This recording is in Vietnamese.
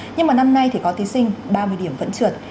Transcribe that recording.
nhưng mà năm nay thì có thí sinh ba mươi điểm vẫn trượt